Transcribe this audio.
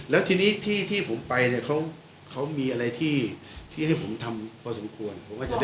แล้วทีนี้ที่ผมไปเนี่ยเขามีอะไรที่ให้ผมทำพอสมควร